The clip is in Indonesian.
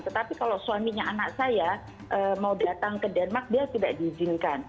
tetapi kalau suaminya anak saya mau datang ke denmark dia tidak diizinkan